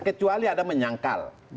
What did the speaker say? kecuali ada menyangkal